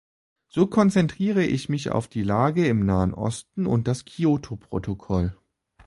So konzentrierte ich mich auf die Lage im Nahen Osten und das Kyoto-Protokoll.